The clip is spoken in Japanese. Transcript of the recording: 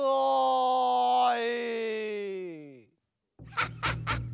ハッハッハッハ！